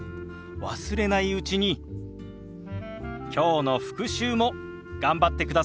忘れないうちにきょうの復習も頑張ってくださいね。